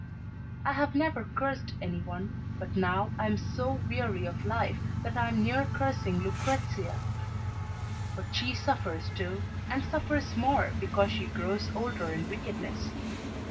"I have never cursed any one, but now I am so weary of life that I am near cursing Lucrezia. But she suffers too, and suffers more because she grows older in wickedness.